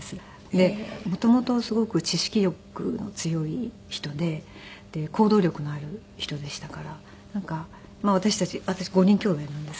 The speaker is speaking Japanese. で元々すごく知識欲の強い人で行動力のある人でしたからなんか私たち私５人きょうだいなんですけども。